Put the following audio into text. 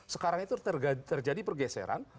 sekarang itu terjadi pergeseran